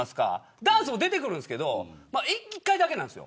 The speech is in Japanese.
ダンスも出てくるんですけど１回だけなんですよ。